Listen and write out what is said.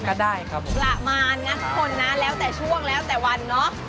ก็ได้ครับผมละมานนะทุกคนนะแล้วแต่ช่วงแล้วแต่วันเนอะ